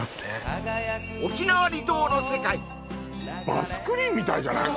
バスクリンみたいじゃない？